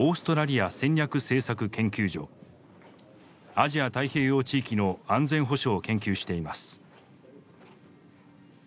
アジア太平洋地域の安全保障を研究しています。